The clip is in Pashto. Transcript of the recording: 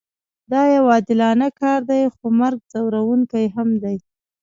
دا یو عادلانه کار دی خو مرګ ځورونکی هم دی